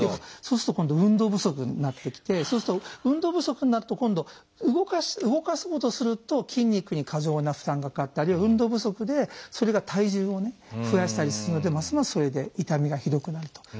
そうすると今度運動不足になってきてそうすると運動不足になると今度動かそうとすると筋肉に過剰な負担がかかったりあるいは運動不足でそれが体重をね増やしたりするのでますますそれで痛みがひどくなると。